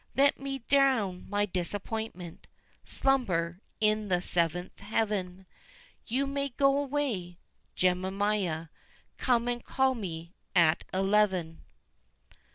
Let me drown my disappointment, Slumber, in thy seventh heaven! You may go away, Jemima. Come and call me at eleven!